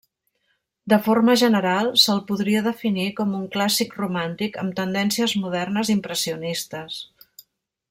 De forma general, se'l podria definir com un clàssic-romàntic amb tendències modernes impressionistes.